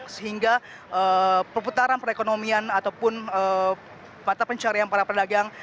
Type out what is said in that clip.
sehingga perputaran perekonomian ataupun mata pencarian para pedagang